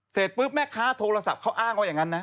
เสร็จปุ๊บแม่ค้าโทรศัพท์เขาอ้างว่าอย่างนั้นนะ